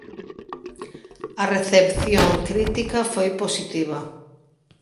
A recepción crítica foi positiva.